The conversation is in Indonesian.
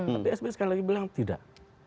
tapi pak sby sekali lagi bilang tidak